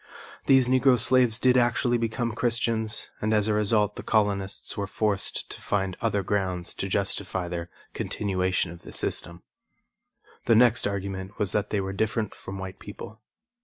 These Negro slaves did actually become Christians and as a result the colonists were forced to find other grounds to justify their continuation of the system. The next argument was that they were different from white people.